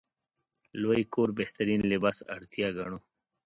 لوی کور بهترین لباس اړتیا ګڼو.